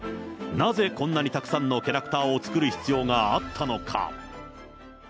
なぜこんなにたくさんのキャラクターを作る必要があったのか。